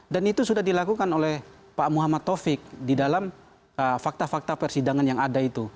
dan itu sudah dilakukan oleh pak muhammad tovik di dalam fakta fakta persidangan yang ada itu